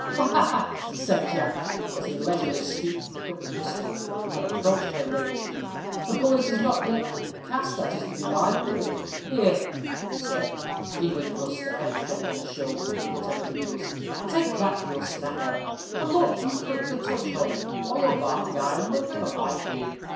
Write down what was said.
"Ha, ha!" said Jack, as he leisurely stooped to pick up the pistol, and approached her ladyship; "the bullet is not yet cast that is to be my billet. Here," said he, dealing Rust a heavy thump upon the shoulder with the butt end of the piece, "take back your snapper, and look you prick the touchhole, or your barking iron will never bite for you.